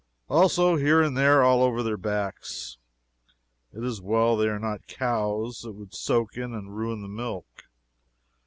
Also here and there all over their backs. It is well they are not cows it would soak in and ruin the milk.